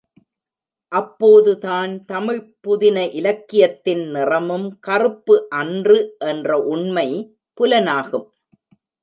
அப்போதுதான் தமிழ்ப் புதின இலக்கியத்தின் நிறமும் கறுப்பு அன்று என்ற உண்மை புலனாகும்!